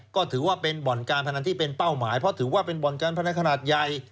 ก็ถือว่าเป็นบ่อนการพนันที่เป็นเป้าหมายเพราะถือว่าเป็นบ่อนการพนันขนาดใหญ่